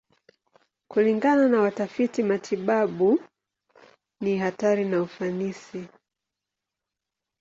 Kulingana na watafiti matibabu, ni hatari na ufanisi.